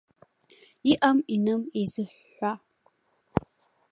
Иҟам-иным еизыҳәҳәа.